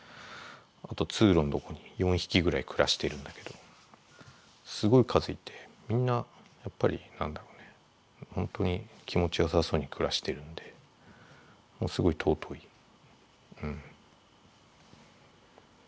あと通路のとこに４匹ぐらい暮らしてるんだけどすごい数いてみんなやっぱり何だろうねほんとに気持ちよさそうに暮らしてるんですごい尊いうん。